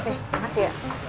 terima kasih ya